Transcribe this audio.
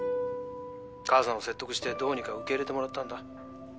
母さんを説得してどうにか受け入れてもらったんだ。